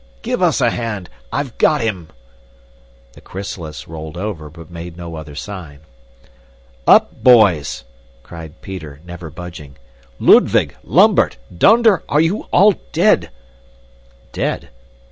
"Give us a hand! I've got him!" The chrysalis rolled over, but made no other sign. "Up, boys!" cried Peter, never budging. "Ludwig! Lambert! Donder! Are you all dead?" Dead?